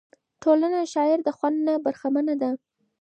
ټولنه د شاعر د خوند نه برخمنه نه ده.